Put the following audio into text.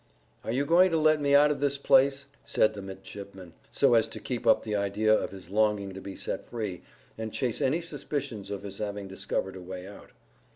"Are you going to let me out of this place?" said the midshipman, so as to keep up the idea of his longing to be set free, and chase any suspicions of his having discovered a way out.